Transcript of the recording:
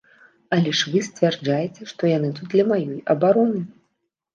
Але ж вы сцвярджаеце, што яны тут для маёй абароны.